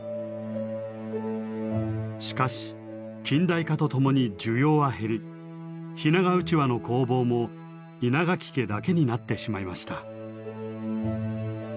しかし近代化とともに需要は減り日永うちわの工房も稲垣家だけになってしまいました。